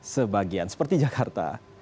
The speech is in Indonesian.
sebagian seperti jakarta